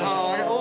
お。